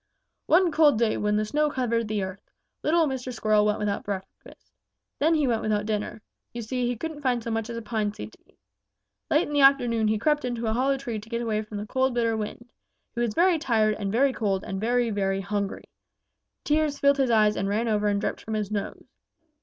"One cold day when the snow covered the earth, little Mr. Squirrel went without breakfast. Then he went without dinner. You see, he couldn't find so much as a pine seed to eat. Late in the afternoon he crept into a hollow tree to get away from the cold, bitter wind. He was very tired and very cold and very, very hungry. Tears filled his eyes and ran over and dripped from his nose.